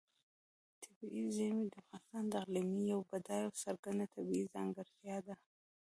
طبیعي زیرمې د افغانستان د اقلیم یوه بډایه او څرګنده طبیعي ځانګړتیا ده.